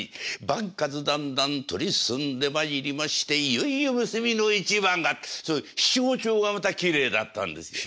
番数だんだん取り進んでまいりましていよいよ結びの一番が」ってそういう七五調がまたきれいだったんですよ。